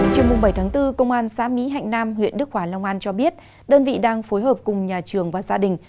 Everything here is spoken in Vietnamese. chiều bảy tháng bốn công an xã mỹ hạnh nam huyện đức hòa long an cho biết đơn vị đang phối hợp cùng nhà trường và gia đình